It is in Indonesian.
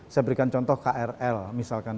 saya berikan contoh krl misalkan